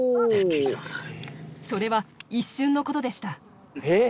それは一瞬のことでした。